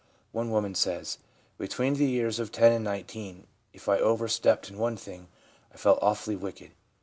One woman says :' Between the years of 10 and 19 if I overstepped in one thing I felt awfully wicked.